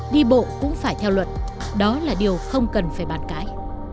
đi bộ cũng phải theo luật đó là điều không cần phải bàn cãi